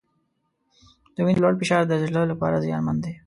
د وینې لوړ فشار د زړه لپاره زیانمن دی.